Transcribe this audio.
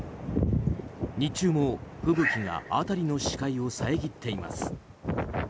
日中も、吹雪が辺りの視界を遮っています。